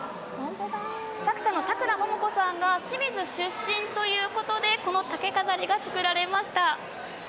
作者のさくらももこさんが清水出身ということでこの竹飾りが作られました。